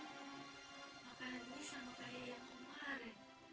makanan ini sampai yang kemarin